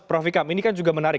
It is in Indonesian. prof ikam ini kan juga menarik